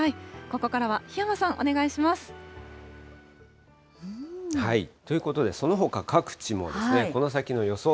ここからは檜山さん、お願いしまということで、そのほか各地も、この先の予想